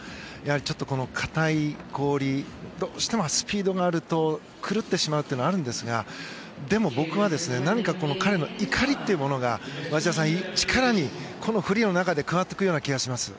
ちょっと硬い氷どうしてもスピードがあると狂ってしまうというのがあるんですがでも、僕は何か彼の怒りというものが町田さん、力にこのフリーの中で変わっていく気がします。